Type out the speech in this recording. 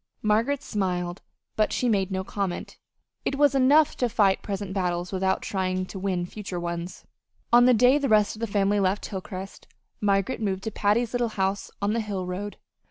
Margaret smiled, but she made no comment it was enough to fight present battles without trying to win future ones. On the day the rest of the family left Hilcrest, Margaret moved to Patty's little house on the Hill road.